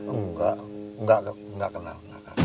enggak enggak kenal